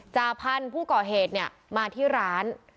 จาพันธุ์ผู้ก่อเหตุเนี่ยมาที่ร้าน